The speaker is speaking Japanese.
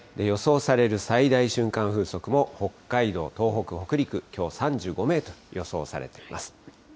予想される最大瞬間風速も北海道、東北、北陸、きょう３５メートルと予想されています。